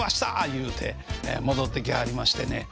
言うて戻ってきはりましてね